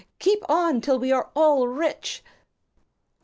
Keep on till we are all rich."